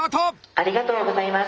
ありがとうございます。